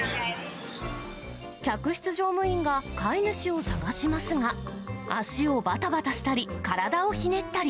客室乗務員が飼い主を捜しますが、足をばたばたしたり、体をひねったり。